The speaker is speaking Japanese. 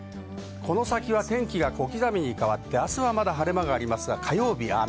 天気が小刻みに変わって、明日は晴れ間がありますが、火曜日は雨。